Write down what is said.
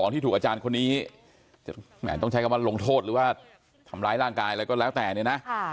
ที่ถูกอาจารย์คนนี้ต้องใช้คำว่าลงโทษหรือว่าทำร้ายร่างกายอะไรก็แล้วแต่เนี่ยนะ